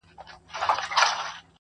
• د زړو شرابو ډکي دوې پیالې دي..